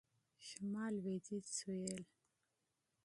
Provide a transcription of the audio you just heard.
شمال .. لویدیځ .. سوېل ..